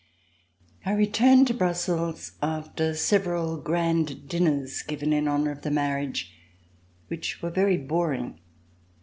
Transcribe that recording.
I RETURNED to Brussels after several grand dinners given in honor of the marriage, which were very boring.